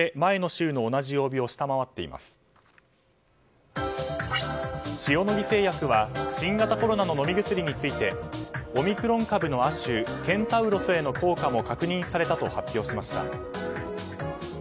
シオノギ製薬は新型コロナの飲み薬についてオミクロン株の亜種ケンタウロスへの効果も確認されたと発表しました。